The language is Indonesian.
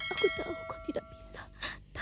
aku tahu kau tidak bisa